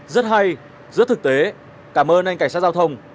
rất hay rất thực tế cảm ơn anh cảnh sát giao thông